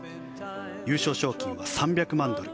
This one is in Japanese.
優勝賞金は３００万ドル